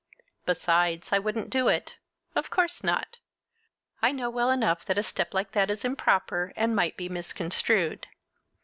Besides I wouldn't do it. Of course not. I know well enough that a step like that is improper and might be misconstrued.